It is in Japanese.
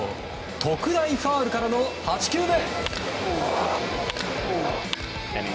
特大ファウルからの８球目。